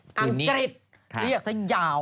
อังกฤษเรียกซะยาว